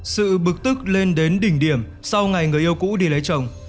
sự bực tức lên đến đỉnh điểm sau ngày người yêu cũ đi lấy chồng